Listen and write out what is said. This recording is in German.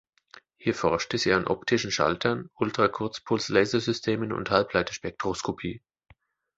Hier forschte sie an optischen Schaltern, Ultrakurzpuls-Lasersystemen und Halbleiter-Spektroskopie.